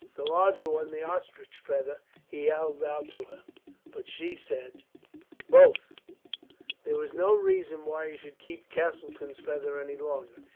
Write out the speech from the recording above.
The larger one, the ostrich feather, he held out to her. But she said: "Both." There was no reason why he should keep Castleton's feather any longer.